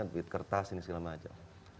bikin kertas dan segala macam